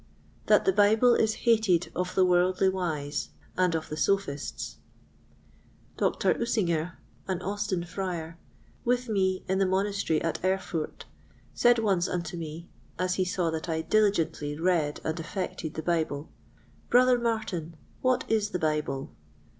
That the Bible is hated of the Worldly wise and of the Sophists. Doctor Ussinger, an Austin Friar, with me in the Monastery at Erfurt, said once unto me, as he saw that I diligently read and affected the Bible, "Brother Martin, what is the Bible?